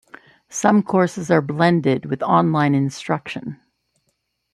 Some courses are blended with online instruction.